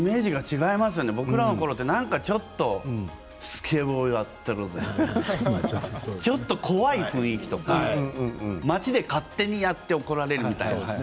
僕らのころはちょっとスケボーやってるぜみたいなちょっと怖い雰囲気とか街で勝手にやって怒られるみたいな。